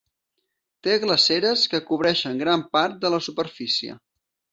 Té glaceres que cobreixen gran part de la superfície.